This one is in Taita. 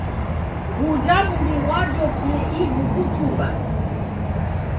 Ghuja mdi ghwajokie ighu kuchumba.